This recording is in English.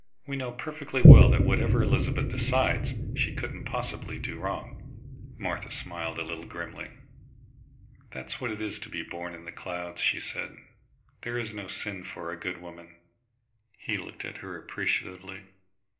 We know perfectly well that whatever Elizabeth decides, she couldn't possibly do wrong." Martha smiled a little grimly. "That's what it is to be born in the clouds," she said. "There is no sin for a good woman." He looked at her appreciatively.